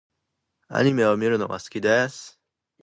アニメを見るのが好きです。